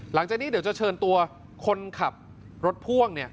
หลังจากนี้เดี๋ยวจะเชิญตัวคนขับรถพ่วง